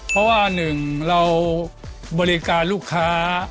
เพราะว่าหนึ่งเราบริการลูกค้า